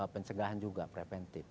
pencegahan juga preventif